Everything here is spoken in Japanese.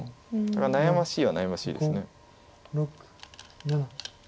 だから悩ましいは悩ましいです。